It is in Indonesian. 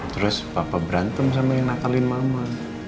terus papa berantem sama yang nakalin mama